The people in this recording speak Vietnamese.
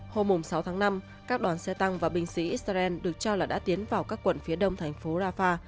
hôm sáu tháng năm các đoàn xe tăng và binh sĩ israel được cho là đã tiến vào các quận phía đông thành phố rafah